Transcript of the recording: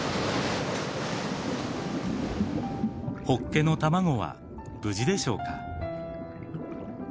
ホッケの卵は無事でしょうか。